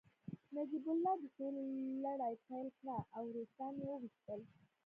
نجیب الله د سولې لړۍ پیل کړه او روسان يې وويستل